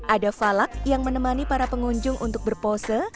ada falak yang menemani para pengunjung untuk berpose